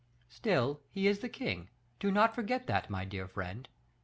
"Still he is the king; do not forget that, my dear friend."